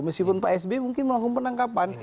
meskipun pak s b mungkin melakukan penangkapan